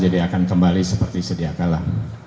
jadi akan kembali seperti sediakala